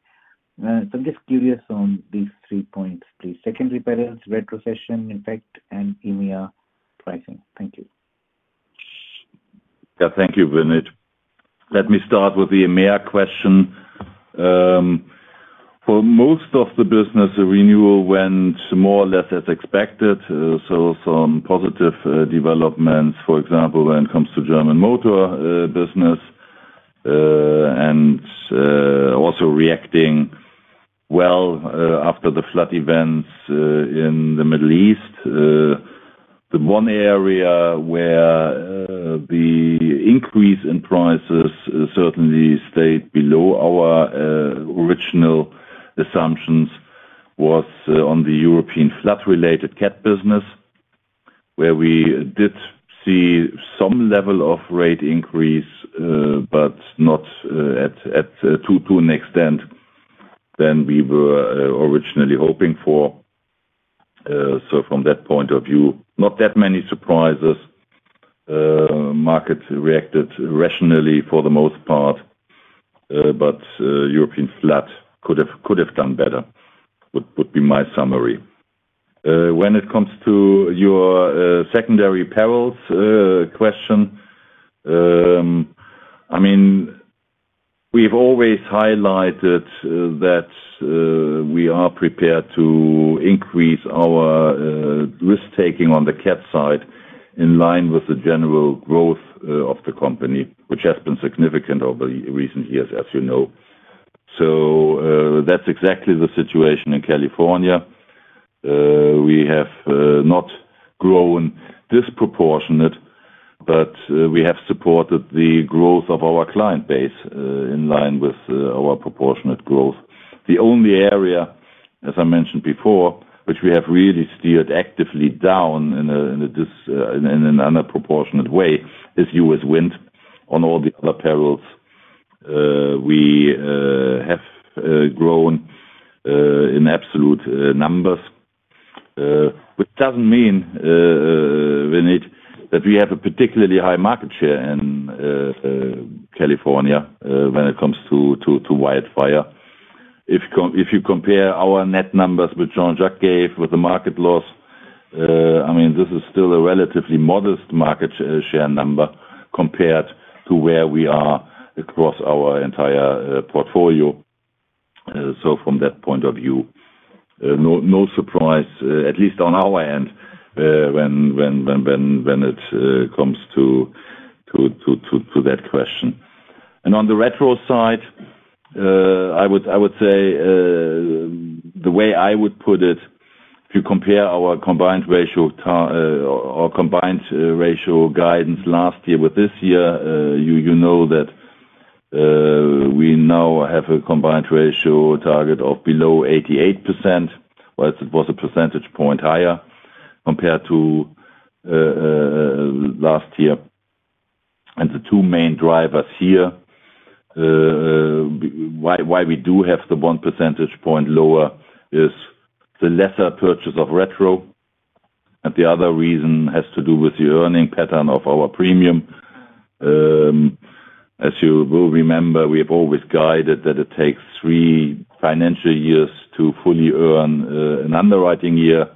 So I'm just curious on these three points, please. Secondary perils, retrocession, effect, and EMEA pricing. Thank you. Yeah. Thank you, Vinit. Let me start with the EMEA question. For most of the business, the renewal went more or less as expected. So some positive developments, for example, when it comes to German motor business and also reacting well after the flood events in the Middle East. The one area where the increase in prices certainly stayed below our original assumptions was on the European flood-related CAT business, where we did see some level of rate increase, but not to an extent that we were originally hoping for. So from that point of view, not that many surprises. Market reacted rationally for the most part, but European flood could have done better, would be my summary. When it comes to your secondary perils question, I mean, we've always highlighted that we are prepared to increase our risk-taking on the CAT side in line with the general growth of the company, which has been significant over the recent years, as you know. So that's exactly the situation in California. We have not grown disproportionate, but we have supported the growth of our client base in line with our proportionate growth. The only area, as I mentioned before, which we have really steered actively down in a disproportionate way is U.S. wind. On all the other perils, we have grown in absolute numbers, which doesn't mean, Vinit, that we have a particularly high market share in California when it comes to wildfire. If you compare our net numbers with Jean-Jacques gave with the market loss, I mean, this is still a relatively modest market share number compared to where we are across our entire portfolio. So from that point of view, no surprise, at least on our end, when it comes to that question. On the retro side, I would say the way I would put it, if you compare our combined ratio or combined ratio guidance last year with this year, you know that we now have a combined ratio target of below 88%, whereas it was a percentage point higher compared to last year. The two main drivers here, why we do have the one percentage point lower, is the lesser purchase of retro. The other reason has to do with the earning pattern of our premium. As you will remember, we have always guided that it takes three financial years to fully earn an underwriting year.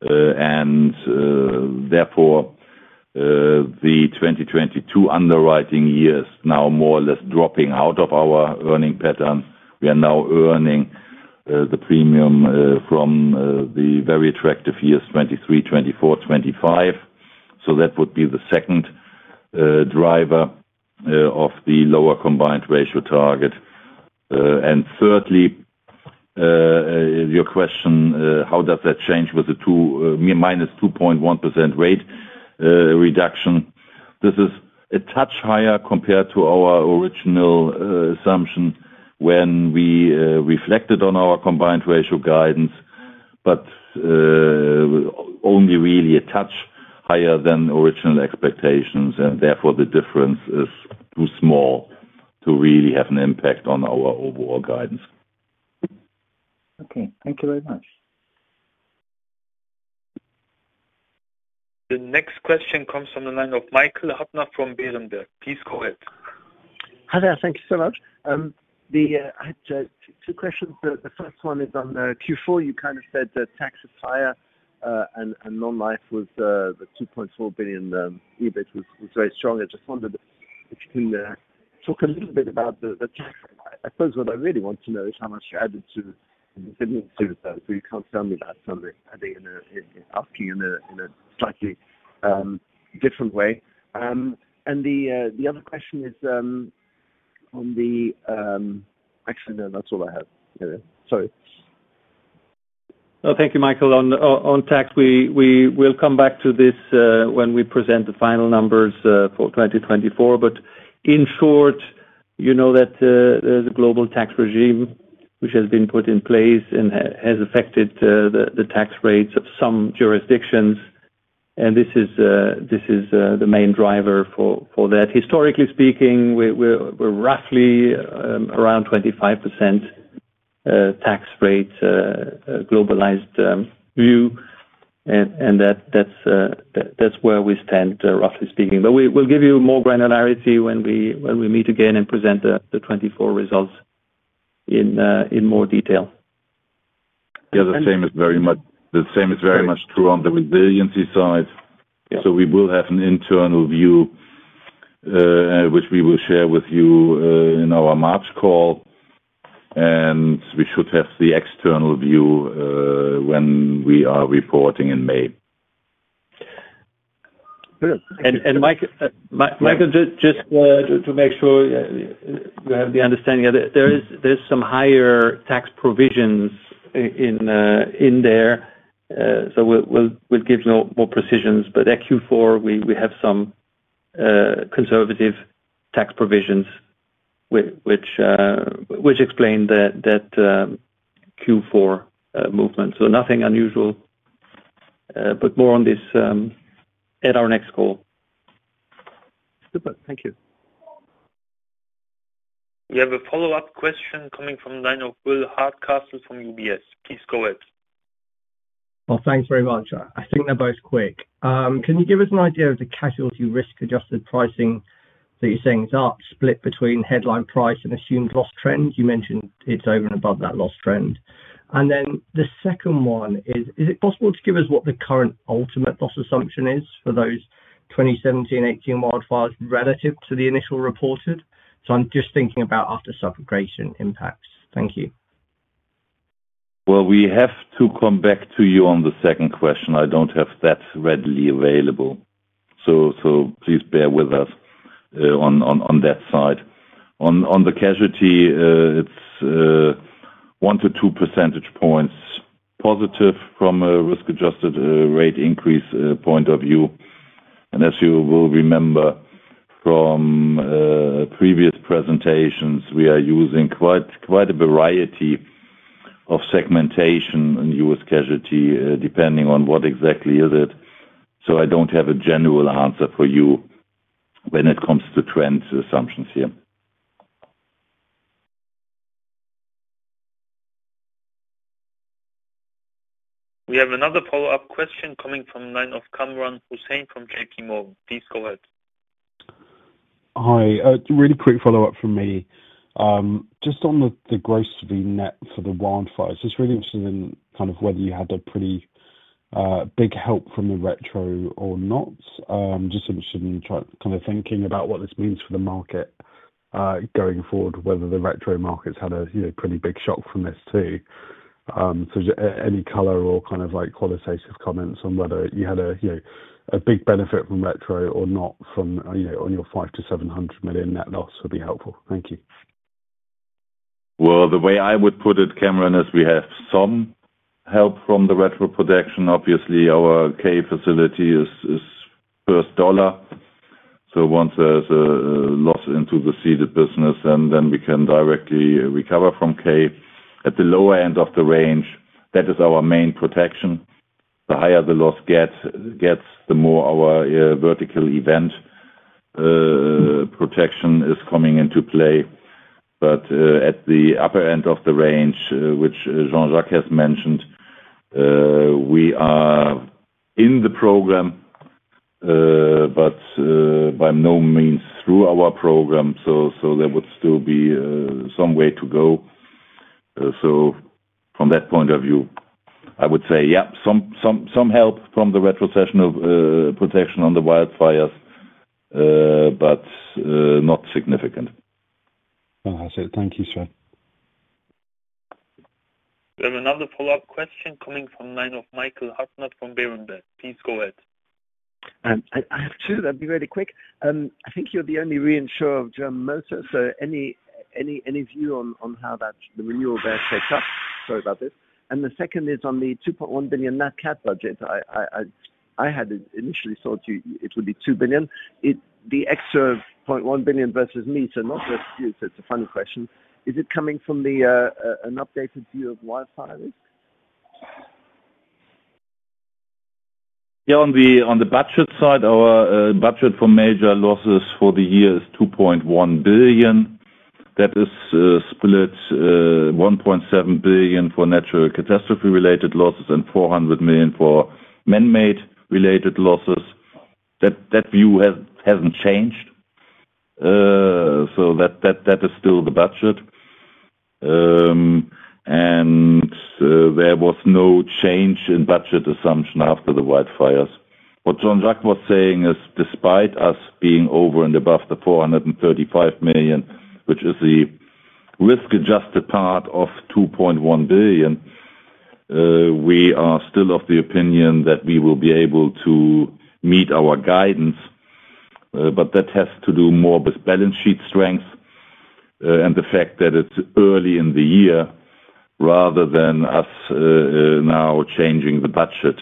Therefore, the 2022 underwriting year is now more or less dropping out of our earning pattern. We are now earning the premium from the very attractive years 2023, 2024, 2025. So that would be the second driver of the lower combined ratio target. And thirdly, your question, how does that change with the -2.1% rate reduction? This is a touch higher compared to our original assumption when we reflected on our combined ratio guidance, but only really a touch higher than original expectations. And therefore, the difference is too small to really have an impact on our overall guidance. Okay. Thank you very much. The next question comes from the line of Michael Huttner from Berenberg. Please go ahead. Hi there. Thank you so much. I had two questions. The first one is on Q4. You kind of said the taxes higher and non-life was the 2.4 billion EBIT was very strong. I just wondered if you can talk a little bit about the tax. I suppose what I really want to know is how much you added to the business. So you can't tell me that, I think, asking in a slightly different way. And the other question is... actually, no, that's all I have. Sorry. No, thank you, Michael. On tax, we will come back to this when we present the final numbers for 2024. But in short, you know that there's a global tax regime which has been put in place and has affected the tax rates of some jurisdictions, and this is the main driver for that. Historically speaking, we're roughly around 25% tax rate, globalized view, and that's where we stand, roughly speaking. But we'll give you more granularity when we meet again and present the 2024 results in more detail. Yeah. The same is very much true on the resiliency side. So we will have an internal view, which we will share with you in our March call. And we should have the external view when we are reporting in May. Good. And Michael, just to make sure you have the understanding, there's some higher tax provisions in there. So we'll give you more precision. But at Q4, we have some conservative tax provisions, which explain that Q4 movement. So nothing unusual, but more on this at our next call. Super. Thank you. We have a follow-up question coming from the line of Will Hardcastle from UBS. Please go ahead. Well, thanks very much. I think they're both quick. Can you give us an idea of the casualty risk-adjusted pricing that you're saying is up, split between headline price and assumed loss trend? You mentioned it's over and above that loss trend. And then the second one is, is it possible to give us what the current ultimate loss assumption is for those 2017, 2018 wildfires relative to the initial reported? So I'm just thinking about after subrogation impacts. Thank you. Well, we have to come back to you on the second question. I don't have that readily available. So please bear with us on that side. On the casualty, it's one to two percentage points positive from a risk-adjusted rate increase point of view. And as you will remember from previous presentations, we are using quite a variety of segmentation in U.S. casualty depending on what exactly is it. So I don't have a general answer for you when it comes to trend assumptions here. We have another follow-up question coming from the line of Kamran Hossain from JPMorgan. Please go ahead. Hi. Really quick follow-up from me. Just on the gross net for the wildfires, it's really interesting in kind of whether you had a pretty big help from the retro or not. Just interested in kind of thinking about what this means for the market going forward, whether the retro markets had a pretty big shock from this too. So any color or kind of qualitative comments on whether you had a big benefit from retro or not on your 500 million-700 million net loss would be helpful. Thank you. The way I would put it, Kamran, is we have some help from the retro protection. Obviously, our K facility is first dollar. So once there's a loss into the ceded business, then we can directly recover from K. At the lower end of the range, that is our main protection. The higher the loss gets, the more our vertical event protection is coming into play. But at the upper end of the range, which Jean-Jacques has mentioned, we are in the program, but by no means through our program. So there would still be some way to go. So from that point of view, I would say, yeah, some help from the retrocessional protection on the wildfires, but not significant. Well, that's it. Thank you, sir. We have another follow-up question coming from the line of Michael Huttner from Berenberg. Please go ahead. I have two. That'd be really quick. I think you're the only reinsurer of German motor. So any view on how the renewal there shapes up? Sorry about this. And the second is on the 2.1 billion net CAT budget. I had initially thought it would be 2 billion. The extra 0.1 billion versus me, so not just you, so it's a funny question. Is it coming from an updated view of wildfire risk? Yeah. On the budget side, our budget for major losses for the year is 2.1 billion. That is split 1.7 billion for natural catastrophe-related losses and 400 million for manmade-related losses. That view hasn't changed. So that is still the budget. And there was no change in budget assumption after the wildfires. What Jean-Jacques was saying is, despite us being over and above the 435 million, which is the risk-adjusted part of 2.1 billion, we are still of the opinion that we will be able to meet our guidance. But that has to do more with balance sheet strength and the fact that it's early in the year rather than us now changing the budget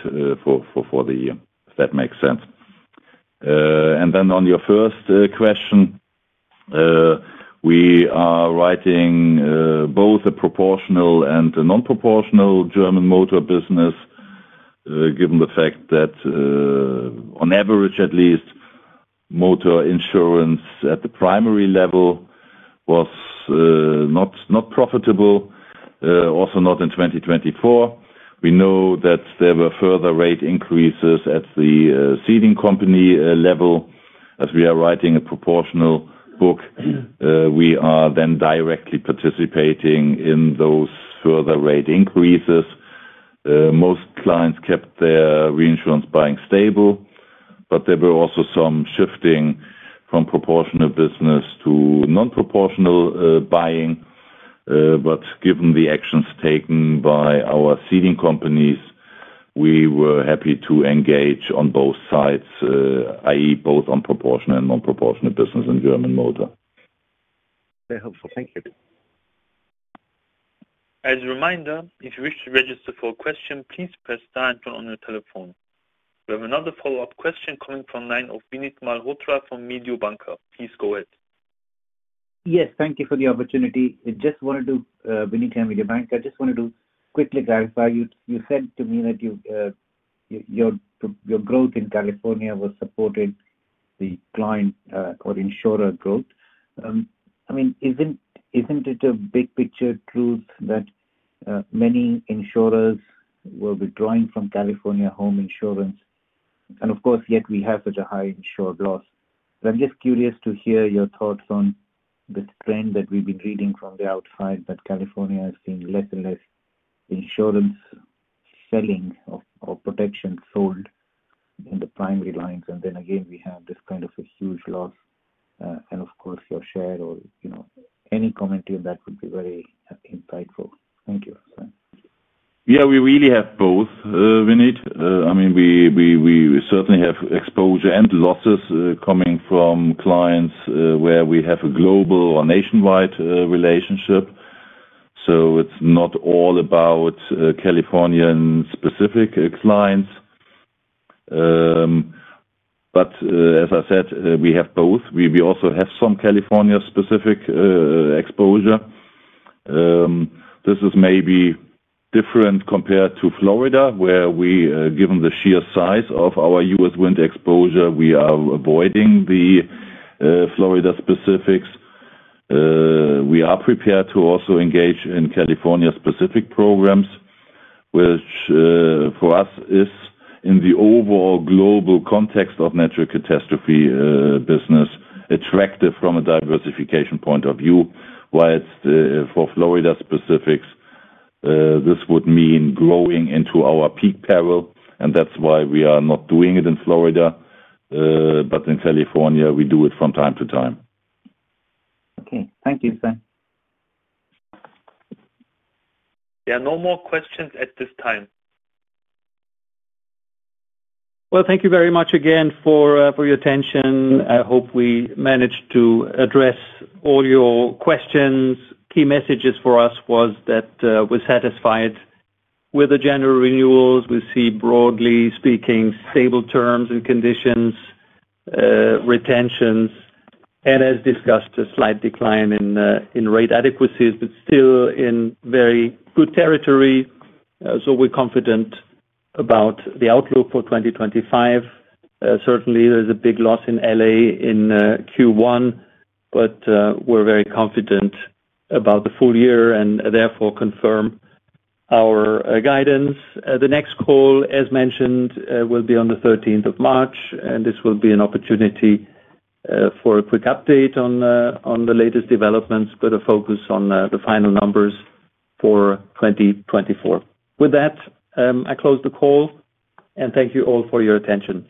for the year, if that makes sense. And then on your first question, we are writing both a proportional and a non-proportional German motor business, given the fact that, on average at least, motor insurance at the primary level was not profitable, also not in 2024. We know that there were further rate increases at the ceding company level. As we are writing a proportional book, we are then directly participating in those further rate increases. Most clients kept their reinsurance buying stable. But there were also some shifting from proportional business to non-proportional buying. But given the actions taken by our ceding companies, we were happy to engage on both sides, i.e., both on proportional and non-proportional business in German motor. Very helpful. Thank you. As a reminder, if you wish to register for a question, please press star [one] and turn on your telephone. We have another follow-up question coming from the line of Vinit Malhotra from Mediobanca. Please go ahead. Yes. Thank you for the opportunity. Vinit from Mediobanca, I just wanted to quickly clarify. You said to me that your growth in California was supported by the client or insurer growth. I mean, isn't it a big picture truth that many insurers were withdrawing from California home insurance? And of course, yet we have such a high insured loss. But I'm just curious to hear your thoughts on this trend that we've been reading from the outside, that California is seeing less and less insurance selling or protection sold in the primary lines. And then again, we have this kind of a huge loss. And of course, your share or any comment on that would be very insightful. Thank you. Yeah. We really have both, Vinit. I mean, we certainly have exposure and losses coming from clients where we have a global or nationwide relationship. So it's not all about California-specific clients. But as I said, we have both. We also have some California-specific exposure. This is maybe different compared to Florida, where given the sheer size of our U.S. wind exposure, we are avoiding the Florida specifics. We are prepared to also engage in California-specific programs, which for us is, in the overall global context of natural catastrophe business, attractive from a diversification point of view. Whereas for Florida specifics, this would mean growing into our peak peril. And that's why we are not doing it in Florida. But in California, we do it from time to time. Okay. Thank you. Yeah. No more questions at this time. Well, thank you very much again for your attention. I hope we managed to address all your questions. Key messages for us was that we're satisfied with the general renewals. We see, broadly speaking, stable terms and conditions, retentions. And as discussed, a slight decline in rate adequacy, but still in very good territory. So we're confident about the outlook for 2025. Certainly, there's a big loss in LA in Q1. But we're very confident about the full year and therefore confirm our guidance. The next call, as mentioned, will be on the 13th of March. And this will be an opportunity for a quick update on the latest developments, but a focus on the final numbers for 2024. With that, I close the call. And thank you all for your attention.